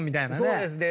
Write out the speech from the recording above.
そうですね。